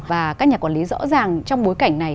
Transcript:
và các nhà quản lý rõ ràng trong bối cảnh này